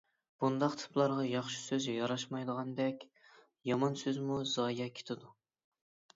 بۇنداق تىپلارغا ياخشى سۆز ياراشمىغاندەك، يامان سۆزمۇ زايە كېتىدۇ.